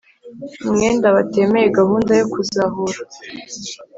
umwenda batemeye gahunda yo kuzahura